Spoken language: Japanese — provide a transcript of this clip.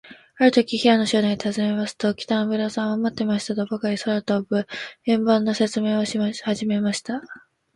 あるとき、平野少年がたずねますと、北村さんは、まってましたとばかり、空とぶ円盤のせつめいをはじめました。